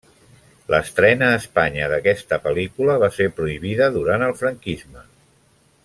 L'estrena a Espanya d'aquesta pel·lícula va ser prohibida durant el Franquisme.